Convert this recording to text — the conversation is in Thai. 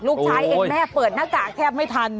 ลูกชายเห็นแม่เปิดหน้ากากแทบไม่ทัน